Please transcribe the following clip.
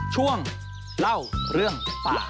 ช่วงเล่าเรื่องป่า